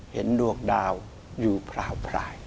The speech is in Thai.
เห็นดวงดาวอยู่พราวพลาย